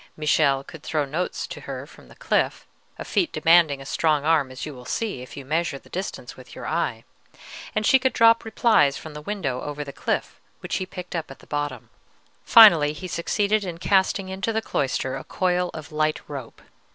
Michele could throw notes to her from the cliff, a feat demanding a strong arm, as you will see, if you measure the distance with your eye, and she could drop replies from the window over the cliff, which he picked up at the bottom. Finally he succeeded in casting into the cloister a coil of light rope.